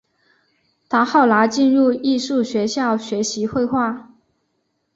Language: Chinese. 他后来进入艺术学校学习绘画。